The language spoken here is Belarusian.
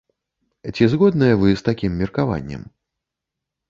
Ці згодныя вы з такім меркаваннем?